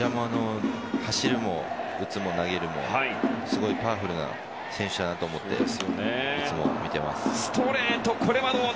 走るのも打つのも投げるのもすごいパワフルな選手だなと思っていつも見てます。